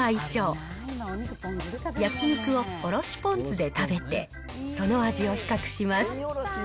焼き肉をおろしポン酢で食べて、その味を比較します。